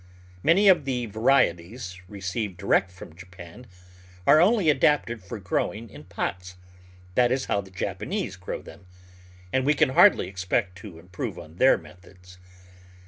Many of the varieties received direct from Japan are only adapted for growing in pots ; that is how the Japanese grow them, and we can hardly expect to improve on their methods.